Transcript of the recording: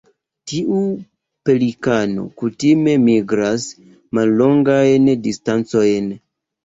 Tiu pelikano kutime migras mallongajn distancojn.